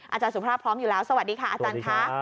อาจารย์สุภาพพร้อมอยู่แล้วสวัสดีค่ะอาจารย์ค่ะ